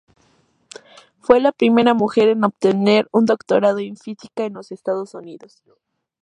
Fue la primera mujer en obtener un doctorado en Física en los Estados Unidos.